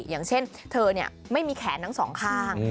อย่างเช่นเธอไม่มีแขนทั้งสองข้าง